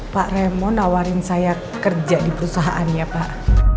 pak raymond nawarin saya kerja di perusahaan ya pak